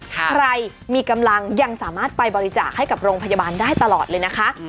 ใครมีกำลังยังสามารถไปบริจาคให้กับโรงพยาบาลได้ตลอดเลยนะคะ